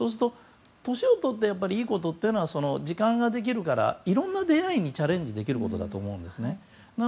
年を取っていいことっていうのは時間ができるからいろんな出会いにチャレンジができることだと思います。